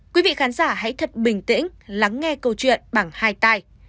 quý vị khán giả hãy thật bình tĩnh lắng nghe câu chuyện bằng hai tay